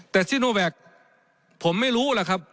แต่ซิโนแวคผมไม่รู้ล่ะครับ